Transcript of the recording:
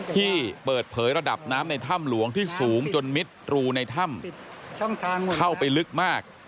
ที่เปิดเผยระดับน้ำในถ้ำหลวงที่สูงจนมิดรูในถ้ำเข้าไปลึกมาก